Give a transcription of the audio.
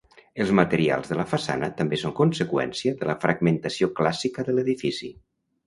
Els materials de la façana també són conseqüència de la fragmentació clàssica de l'edifici.